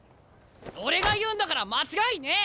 俺が言うんだから間違いねえ！